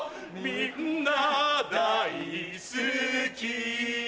みんな大好き